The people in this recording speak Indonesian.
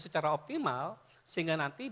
secara optimal sehingga nanti